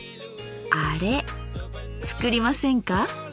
あれつくりませんか？